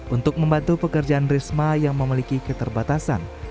untuk membantu pekerjaan risma yang memiliki keterbatasan